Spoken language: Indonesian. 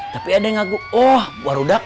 tapi ada yang ngaguk oh waruda